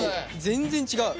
全然違う。